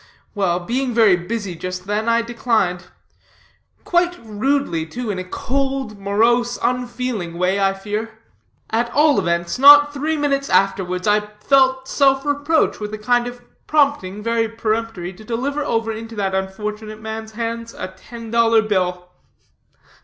Well, being very busy just then, I declined; quite rudely, too, in a cold, morose, unfeeling way, I fear. At all events, not three minutes afterwards I felt self reproach, with a kind of prompting, very peremptory, to deliver over into that unfortunate man's hands a ten dollar bill.